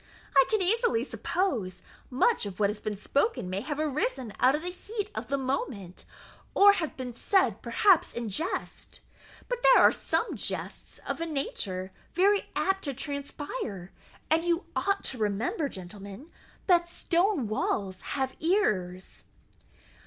I can easily suppose much of what has been spoken may have arisen out of the heat of the moment, or have been said perhaps in jest. But there are some jests of a nature very apt to transpire; and you ought to remember, gentlemen, that stone walls have ears."